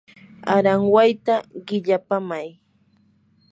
aranwayta willapamay.